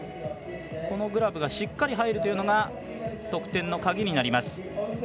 このグラブがしっかり入ることが得点の鍵になります。